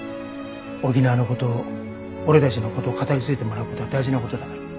沖縄のこと俺たちのことを語り継いでもらうことは大事なことだから。